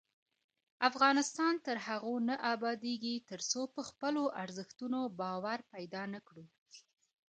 افغانستان تر هغو نه ابادیږي، ترڅو په خپلو ارزښتونو باور پیدا نکړو.